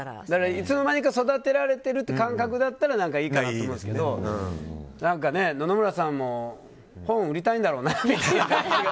いつの間にか育てられてるって感覚ならいいと思うんですけど野々村さんも本、売りたいんだろうな。